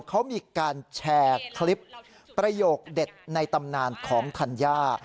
เขามีการแชร์คลิปประโยคเด็ดในตำนานของธัญญา